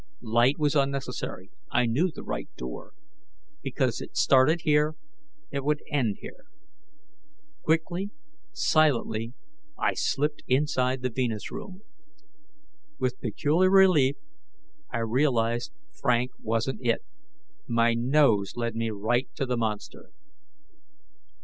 Light was unnecessary: I knew the right door. Because it started here, it would end here. Quickly, silently, I slipped inside the Venus room. With peculiar relief, I realized Frank wasn't it: my nose led me right to the monster.